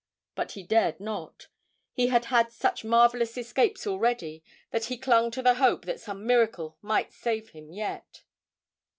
But he dared not; he had had such marvellous escapes already that he clung to the hope that some miracle might save him yet.